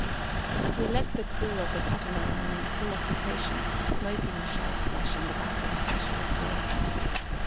We left the crew of the Catamaran in full occupation, "smoking" shark flesh on the back of a cachalot whale.